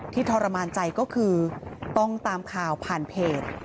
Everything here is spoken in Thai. ทรมานใจก็คือต้องตามข่าวผ่านเพจ